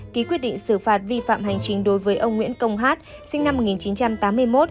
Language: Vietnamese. ký quyết định xử phạt vi phạm hành chính đối với ông nguyễn công hát sinh năm một nghìn chín trăm tám mươi một